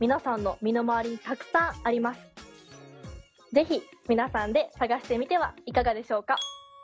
是非皆さんで探してみてはいかがでしょうか？